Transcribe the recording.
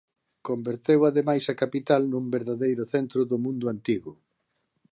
Converteu ademais a capital nun verdadeiro centro do mundo antigo.